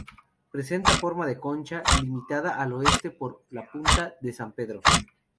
Presenta forma de concha, limitada al oeste por la punta de San Pedro.